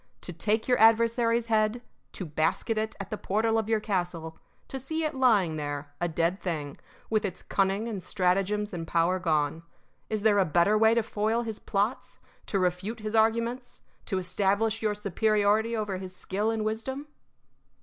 To take your adversary's head, to basket it at the portal of your castle, to see it lying there, a dead thing, with its cunning and stratagems and power gone Is there a better way to foil his plots, to refute his arguments, to establish your superiority over his skill and wisdom?